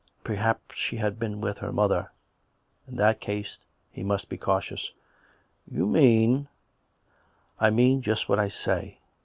Perhaps she had been with her mother. In that case he must be cautious. ..." You mean "" I mean just what I say.